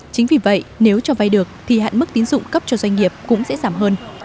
chính vì vậy nếu cho vay được thì hạn mức tín dụng cấp cho doanh nghiệp cũng sẽ giảm hơn